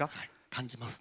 感じます。